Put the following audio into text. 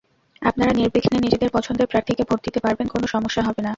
আপনারা নির্বিঘ্নে নিজেদের পছন্দের প্রার্থীকে ভোট দিতে পারবেন, কোনো সমস্যা হবে না।